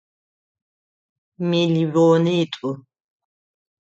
Миллионитӏу.